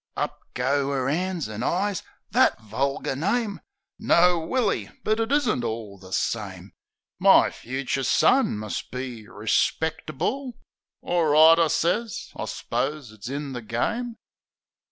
Up goes 'er 'ands an' eyes, "That vulgar name! No, Willy, but it isn't all the same, My fucher son must be respectable." "Orright," I sez, "I s'pose it's in the game."